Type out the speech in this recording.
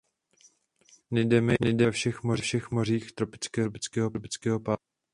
Najdeme ji ve všech mořích tropického a subtropického pásu.